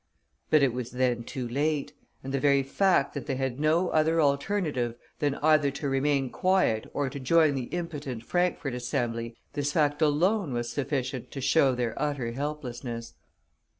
But it was then too late, and the very fact that they had no other alternative than either to remain quiet or to join the impotent Frankfort Assembly, this fact alone was sufficient to show their utter helplessness.